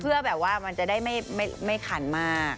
เพื่อมันจะได้ไม่กันมาก